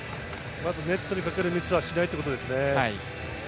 まずネットにかけるミスはしないということですね。